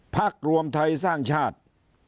พักรวมไทยสร้างชาติ